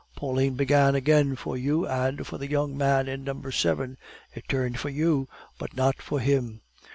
Pauline began again for you and for the young man in number seven it turned for you, but not for him.